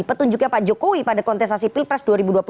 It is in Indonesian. petunjuknya pak jokowi pada kontestasi pilpres dua ribu dua puluh